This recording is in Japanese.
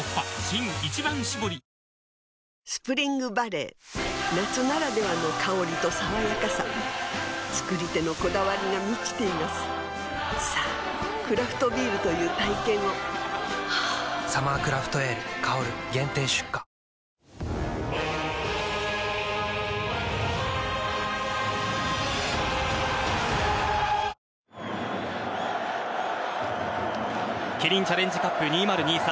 スプリングバレー夏ならではの香りと爽やかさ造り手のこだわりが満ちていますさぁクラフトビールという体験を「サマークラフトエール香」限定出荷キリンチャレンジカップ２０２３